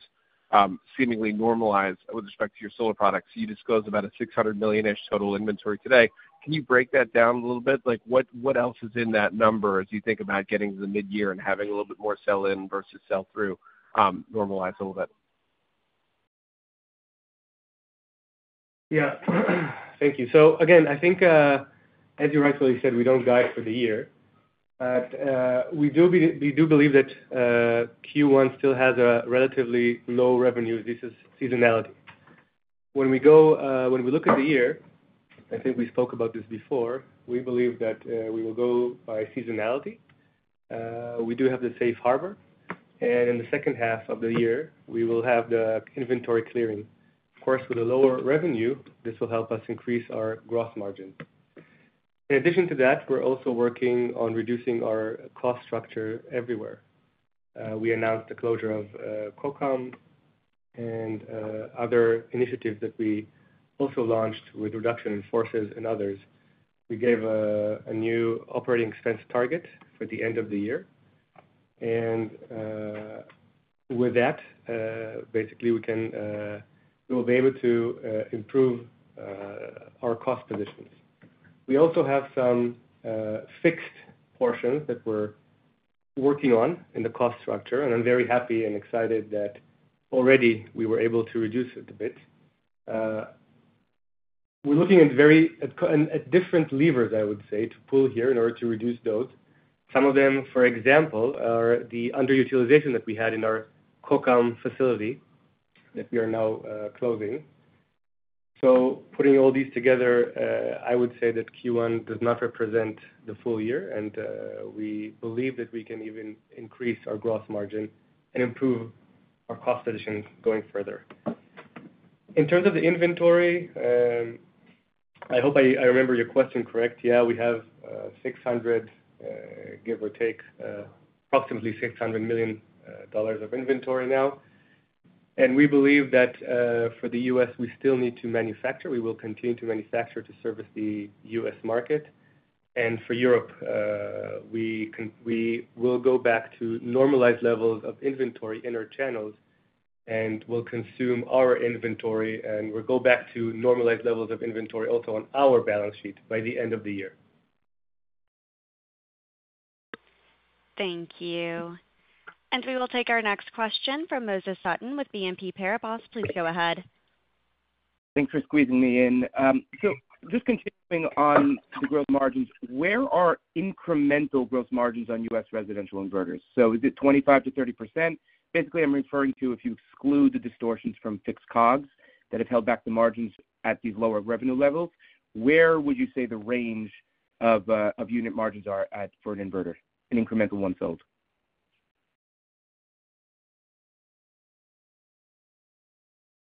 seemingly normalized with respect to your solar products. You disclosed about a $600 million-ish total inventory today. Can you break that down a little bit? What else is in that number as you think about getting to the mid-year and having a little bit more sell-in versus sell-through normalize a little bit? Yeah. Thank you. So again, I think, as you rightfully said, we don't guide for the year. But we do believe that Q1 still has a relatively low revenue. This is seasonality. When we look at the year, I think we spoke about this before. We believe that we will go by seasonality. We do have the safe harbor. And in the second half of the year, we will have the inventory clearing. Of course, with a lower revenue, this will help us increase our gross margin. In addition to that, we're also working on reducing our cost structure everywhere. We announced the closure of Kokam and other initiatives that we also launched with reduction in forces and others. We gave a new operating expense target for the end of the year. And with that, basically, we will be able to improve our cost positions. We also have some fixed portions that we're working on in the cost structure. And I'm very happy and excited that already we were able to reduce it a bit. We're looking at different levers, I would say, to pull here in order to reduce those. Some of them, for example, are the under-utilization that we had in our Kokam facility that we are now closing. So putting all these together, I would say that Q1 does not represent the full year. And we believe that we can even increase our gross margin and improve our cost additions going further. In terms of the inventory, I hope I remember your question correct. Yeah, we have 600, give or take, approximately $600 million of inventory now. And we believe that for the U.S., we still need to manufacture. We will continue to manufacture to service the U.S. market. And for Europe, we will go back to normalized levels of inventory in our channels and will consume our inventory. And we'll go back to normalized levels of inventory also on our balance sheet by the end of the year. Thank you. And we will take our next question from Moses Sutton with BNP Paribas. Please go ahead. Thanks for squeezing me in. So just continuing on the gross margins, where are incremental gross margins on U.S. residential inverters? So is it 25%-30%? Basically, I'm referring to if you exclude the distortions from fixed COGS that have held back the margins at these lower revenue levels, where would you say the range of unit margins are for an inverter, an incremental one-fold?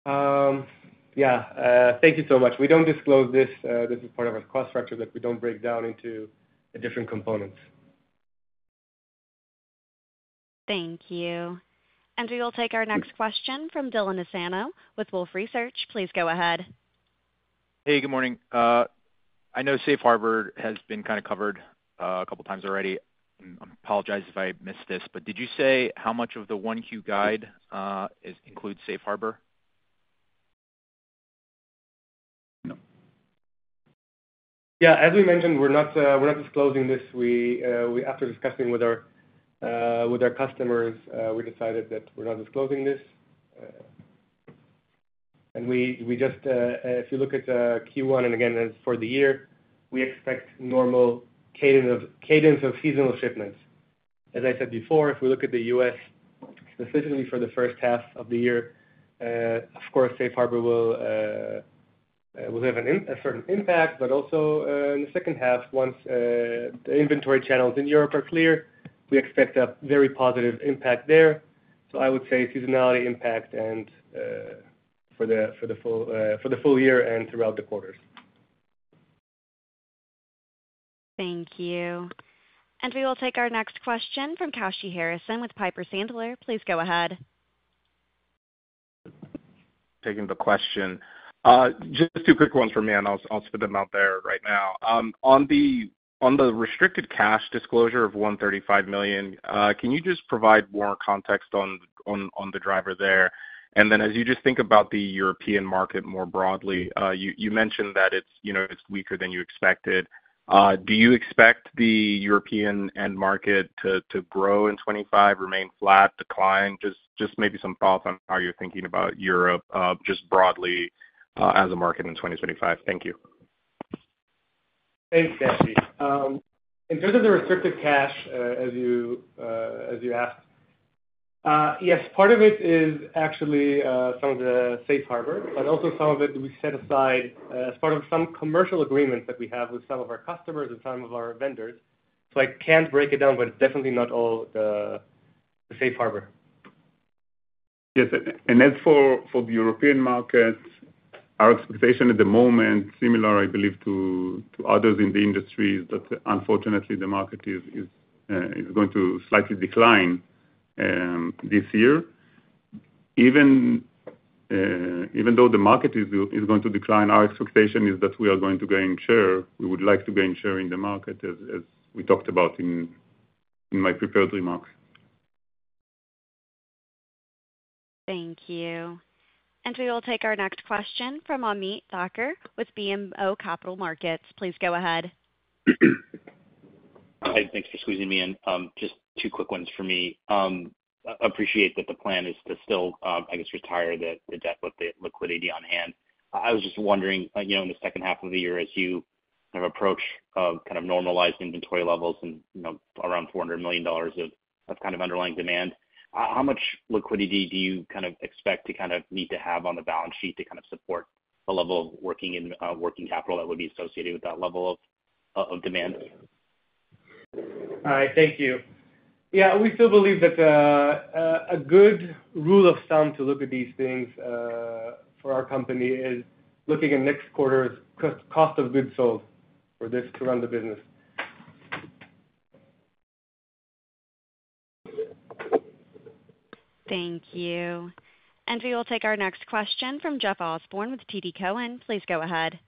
Yeah. Thank you so much. We don't disclose this. This is part of our cost structure that we don't break down into different components. Thank you. And we will take our next question from Dylan Nassano with Wolfe Research. Please go ahead. Hey, good morning. I know safe harbor has been kind of covered a couple of times already. I apologize if I missed this, but did you say how much of the 1Q guide includes safe harbor? Yeah. As we mentioned, we're not disclosing this. After discussing with our customers, we decided that we're not disclosing this. And if you look at Q1, and again, as for the year, we expect normal cadence of seasonal shipments. As I said before, if we look at the U.S., specifically for the first half of the year, of course, safe harbor will have a certain impact. But also in the second half, once the inventory channels in Europe are clear, we expect a very positive impact there. So I would say seasonality impact for the full year and throughout the quarters. Thank you. And we will take our next question from Kashy Harrison with Piper Sandler. Please go ahead. Taking the question. Just two quick ones for me, and I'll spit them out there right now. On the restricted cash disclosure of $135 million, can you just provide more context on the driver there? And then as you just think about the European market more broadly, you mentioned that it's weaker than you expected. Do you expect the European end market to grow in 2025, remain flat, decline? Just maybe some thoughts on how you're thinking about Europe just broadly as a market in 2025. Thank you. Thanks, Kashy. In terms of the restricted cash, as you asked, yes, part of it is actually some of the safe harbor, but also some of it we set aside as part of some commercial agreements that we have with some of our customers and some of our vendors. So I can't break it down, but it's definitely not all the safe harbor. Yes. And as for the European market, our expectation at the moment, similar I believe to others in the industry, is that unfortunately the market is going to slightly decline this year. Even though the market is going to decline, our expectation is that we are going to gain share. We would like to gain share in the market, as we talked about in my prepared remarks. Thank you. And we will take our next question from Ameet Thakkar with BMO Capital Markets. Please go ahead. Hi. Thanks for squeezing me in. Just two quick ones for me. I appreciate that the plan is to still, I guess, retire the debt with the liquidity on hand. I was just wondering, in the second half of the year, as you kind of approach kind of normalized inventory levels and around $400 million of kind of underlying demand, how much liquidity do you kind of expect to kind of need to have on the balance sheet to kind of support the level of working capital that would be associated with that level of demand? All right. Thank you. Yeah. We still believe that a good rule of thumb to look at these things for our company is looking at next quarter's cost of goods sold for this to run the business. Thank you. And we will take our next question from Jeff Osborne with TD Cowen. Please go ahead.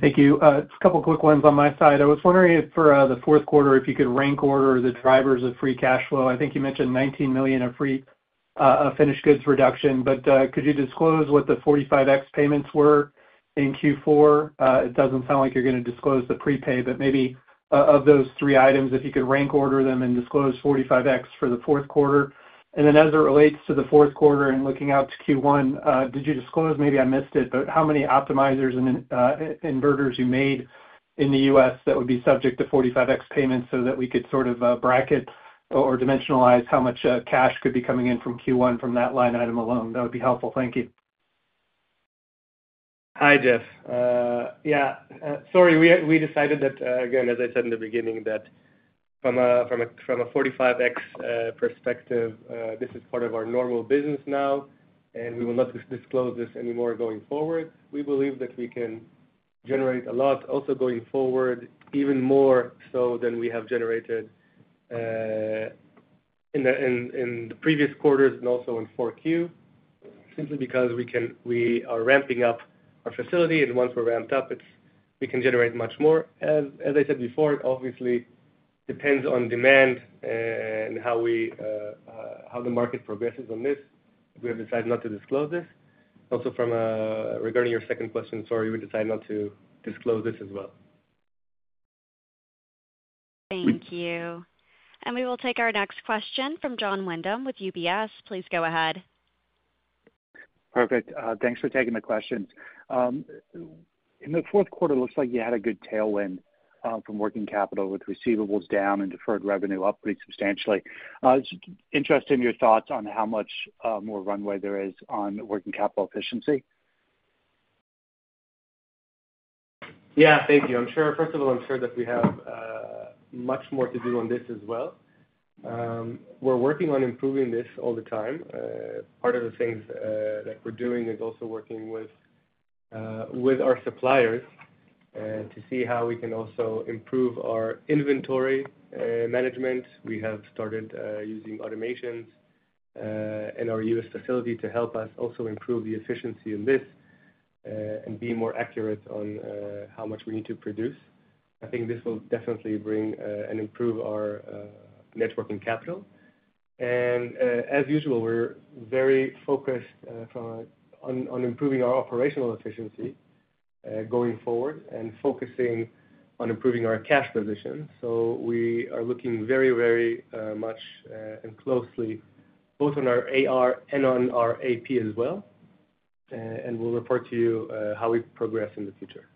Thank you. A couple of quick ones on my side. I was wondering if for the Q4, if you could rank order the drivers of free cash flow. I think you mentioned $19 million of finished goods reduction, but could you disclose what the 45X payments were in Q4? It doesn't sound like you're going to disclose the prepay, but maybe of those three items, if you could rank order them and disclose 45X for the Q4. And then as it relates to the Q4 and looking out to Q1, did you disclose, maybe I missed it, but how many optimizers and inverters you made in the U.S. that would be subject to 45X payments so that we could sort of bracket or dimensionalize how much cash could be coming in from Q1 from that line item alone? That would be helpful. Thank you. Hi, Jeff. Yeah. Sorry. We decided that, again, as I said in the beginning, that from a 45X perspective, this is part of our normal business now, and we will not disclose this anymore going forward. We believe that we can generate a lot also going forward, even more so than we have generated in the previous quarters and also in 4Q, simply because we are ramping up our facility. And once we're ramped up, we can generate much more. As I said before, obviously, it depends on demand and how the market progresses on this. We have decided not to disclose this. Also, regarding your second question, sorry, we decided not to disclose this as well. Thank you. And we will take our next question from Jon Windham with UBS. Please go ahead. Perfect. Thanks for taking the questions. In the Q4, it looks like you had a good tailwind from working capital with receivables down and deferred revenue up pretty substantially. Interested in your thoughts on how much more runway there is on working capital efficiency? Yeah. Thank you. First of all, I'm sure that we have much more to do on this as well. We're working on improving this all the time. Part of the things that we're doing is also working with our suppliers to see how we can also improve our inventory management. We have started using automations in our U.S. facility to help us also improve the efficiency of this and be more accurate on how much we need to produce. I think this will definitely bring and improve our net working capital. And as usual, we're very focused on improving our operational efficiency going forward and focusing on improving our cash position. So we are looking very, very much and closely both on our AR and on our AP as well. And we'll report to you how we progress in the future.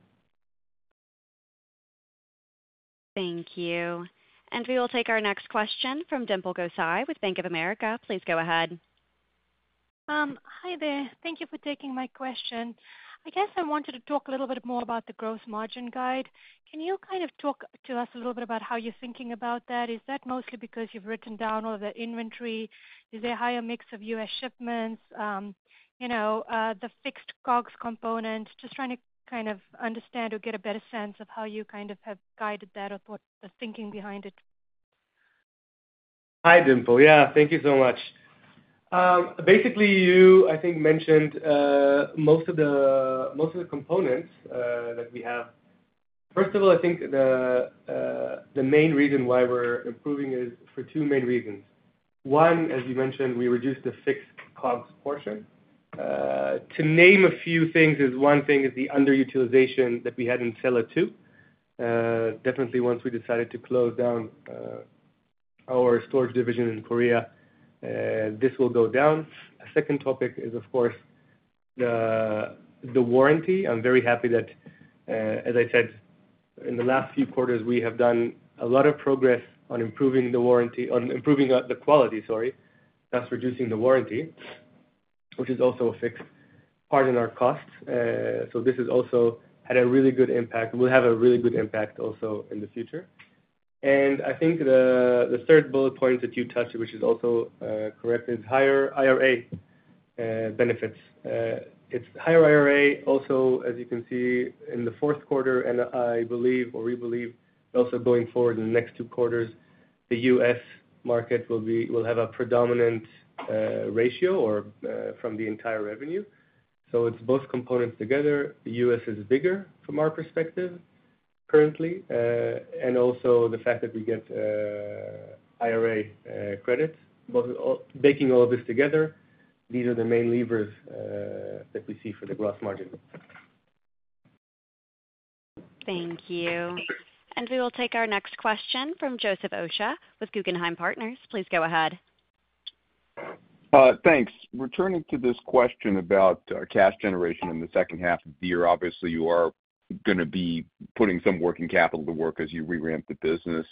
Thank you. And we will take our next question from Dimple Gosai with Bank of America. Please go ahead. Hi there. Thank you for taking my question. I guess I wanted to talk a little bit more about the gross margin guide. Can you kind of talk to us a little bit about how you're thinking about that? Is that mostly because you've written down all of the inventory? Is there a higher mix of U.S. shipments, the fixed COGS component? Just trying to kind of understand or get a better sense of how you kind of have guided that or thought the thinking behind it. Hi, Dimple. Yeah. Thank you so much. Basically, you, I think, mentioned most of the components that we have. First of all, I think the main reason why we're improving is for two main reasons. One, as you mentioned, we reduced the fixed COGS portion. To name a few things, one thing is the under-utilization that we had in Sella 2. Definitely, once we decided to close down our storage division in Korea, this will go down. A second topic is, of course, the warranty. I'm very happy that, as I said, in the last few quarters, we have done a lot of progress on improving the warranty on improving the quality, sorry, thus reducing the warranty, which is also a fixed part in our costs. So this has also had a really good impact. We'll have a really good impact also in the future. I think the third bullet point that you touched, which is also correct, is higher IRA benefits. It's higher IRA also, as you can see, in the Q4. I believe, or we believe, also going forward in the next two quarters, the U.S. market will have a predominant ratio from the entire revenue. So it's both components together. The U.S. is bigger from our perspective currently. Also the fact that we get IRA credits. Baking all of this together, these are the main levers that we see for the gross margin. Thank you. We will take our next question from Joseph Osha with Guggenheim Partners. Please go ahead. Thanks. Returning to this question about cash generation in the second half of the year, obviously, you are going to be putting some working capital to work as you reramp the business.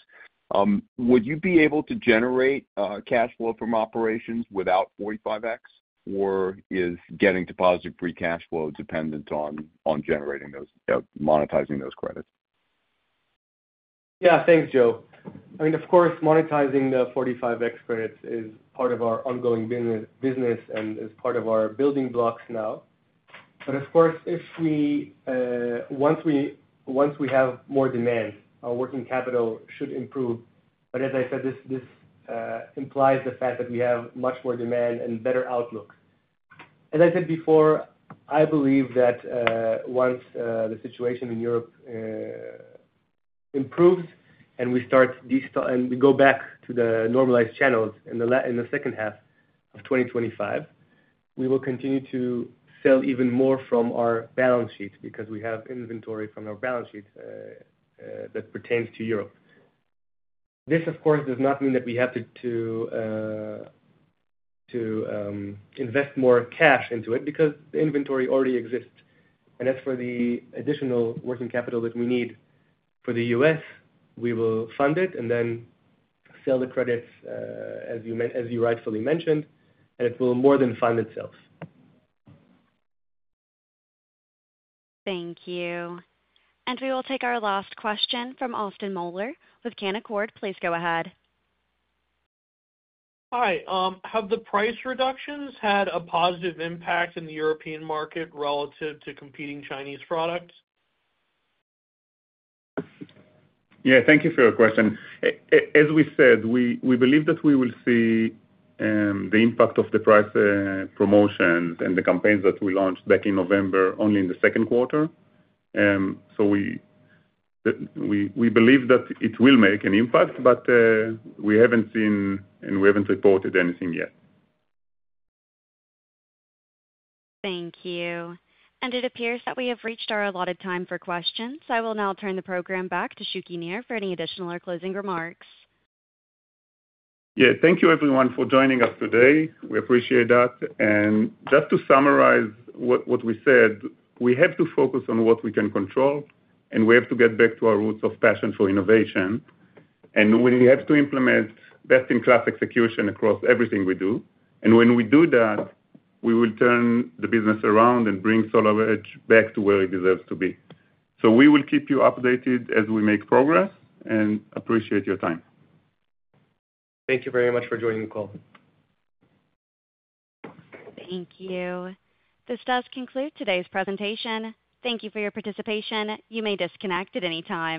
Would you be able to generate cash flow from operations without 45X, or is getting positive free cash flow dependent on monetizing those credits? Yeah. Thanks, Joe. I mean, of course, monetizing the 45X credits is part of our ongoing business and is part of our building blocks now. But of course, once we have more demand, our working capital should improve. But as I said, this implies the fact that we have much more demand and better outlook. As I said before, I believe that once the situation in Europe improves and we start and we go back to the normalized channels in the second half of 2025. We will continue to sell even more from our balance sheet because we have inventory from our balance sheet that pertains to Europe. This, of course, does not mean that we have to invest more cash into it because the inventory already exists, and as for the additional working capital that we need for the U.S., we will fund it and then sell the credits, as you rightfully mentioned, and it will more than fund itself. Thank you, and we will take our last question from Austin Moeller with Canaccord. Please go ahead. Hi. Have the price reductions had a positive impact in the European market relative to competing Chinese products? Yeah. Thank you for your question. As we said, we believe that we will see the impact of the price promotions and the campaigns that we launched back in November only in the Q2. So we believe that it will make an impact, but we haven't seen and we haven't reported anything yet. Thank you. It appears that we have reached our allotted time for questions. I will now turn the program back to Shuki Nir for any additional or closing remarks. Yeah. Thank you, everyone, for joining us today. We appreciate that. Just to summarize what we said, we have to focus on what we can control, and we have to get back to our roots of passion for innovation. We have to implement best-in-class execution across everything we do. When we do that, we will turn the business around and bring SolarEdge back to where it deserves to be. We will keep you updated as we make progress and appreciate your time. Thank you very much for joining the call. Thank you. This does conclude today's presentation. Thank you for your participation. You may disconnect at any time.